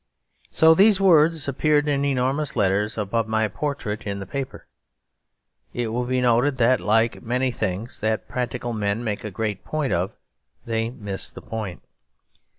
So these words appeared in enormous letters above my portrait in the paper. It will be noted that, like many things that practical men make a great point of, they miss the point.